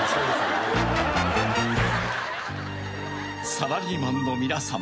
［サラリーマンの皆さま］